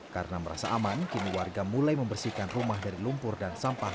karena merasa aman kini warga mulai membersihkan rumah dari lumpur dan sampah